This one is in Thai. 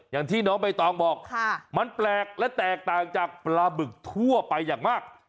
อย่างที่น้องใบตองบอกมันแปลกและแตกต่างจากปลาบึกทั่วไปอย่างมาก